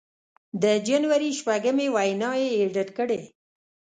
د جنوري شپږمې وینا یې اېډېټ کړې